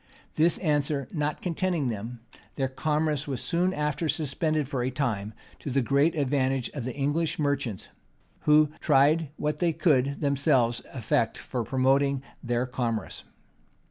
This answer not contenting them, their commerce was soon after suspended for a time, to the great advantage of the English merchants, who tried what they could themselves effect for promoting their commerce.